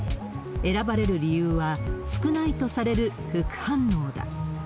選ばれる理由は、少ないとされる副反応だ。